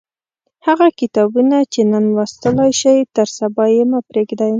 هغه کتابونه چې نن لوستلای شئ تر سبا یې مه پریږدئ.